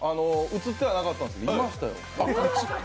映ってはなかったんですけどいましたよ。